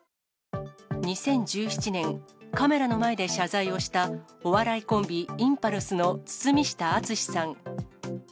２０１７年、カメラの前で謝罪をした、お笑いコンビ、インパルスの堤下敦さん。